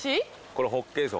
これホッケです